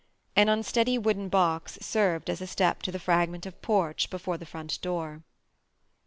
An unsteady wooden box served as a step to the fragment of porch before the front door.